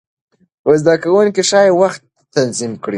زده کوونکي ښايي وخت تنظیم کړي.